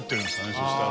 そしたら。